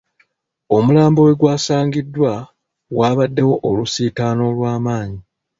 Omulambo we gwasangiddwa waabaddewo olusiitaano olw’amanyi.